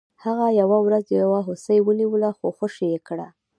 هغه یوه ورځ یو هوسۍ ونیوله خو خوشې یې کړه.